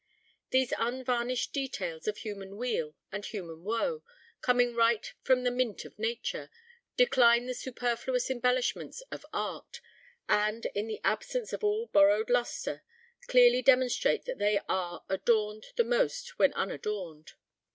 These unvarnished details of human weal and human wo, coming right from the mint of nature, decline the superfluous embellishments of art, and, in the absence of all borrowed lustre, clearly demonstrate that they are "adorned the most when unadorned."